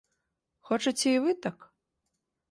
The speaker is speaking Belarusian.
Хочаце і вы так?